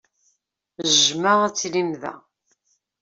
Jjmeɣ ad tilim da.